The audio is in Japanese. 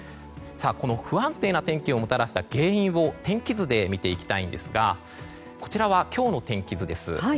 この不安定な天気をもたらした原因を天気図で見ていきたいんですがこちらは今日の天気図です。